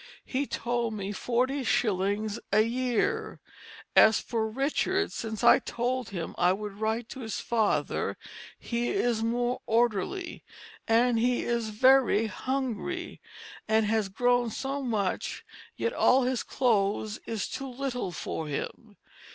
He told me 40 shillings a yeare. As for Richard since I told him I would write to his Father he is more orderly, & he is very hungry, and has grown so much yt all his Clothes is too Little for him.